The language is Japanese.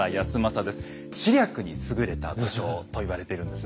「知略に優れた武将」と言われているんですね。